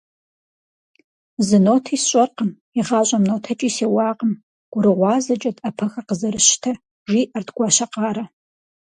- Зы ноти сщӀэркъым, игъащӀэм нотэкӀи сеуакъым, гурыгъуазэкӀэт Ӏэпэхэр къызэрысщтэр, - жиӏэрт Гуащэкъарэ.